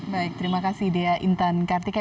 baik terima kasih dea intan kartika